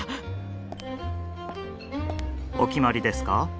お決まりですか。